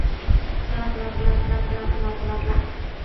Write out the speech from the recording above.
曼谷大众运输系统席隆线和苏坤蔚线在这条路交会。